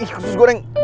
ih khusus goreng